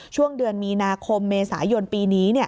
ช่วงเดือนมีนาคมเมษายนปีนี้